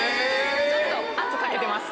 ちょっと圧かけてます。